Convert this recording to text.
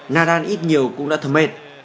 nadal ít nhiều cũng đã thầm mệt